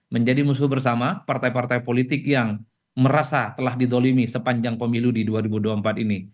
menjadi musuh bersama partai partai politik yang merasa telah didolimi sepanjang pemilu di dua ribu dua puluh empat ini